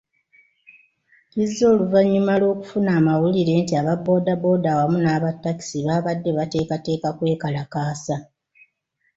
Kize oluvannyuma lw'okufuna amawulire nti aba boda boda wamu naba takisi babadde bateekateeka kwekalakaasa.